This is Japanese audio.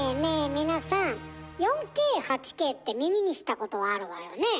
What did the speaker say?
皆さん４Ｋ８Ｋって耳にしたことはあるわよね。